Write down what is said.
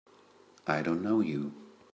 I don't know you!